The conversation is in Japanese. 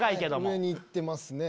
上に行ってますね。